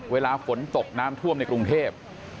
เวลาฝนตกน้ำท่วมในกรุงเทพ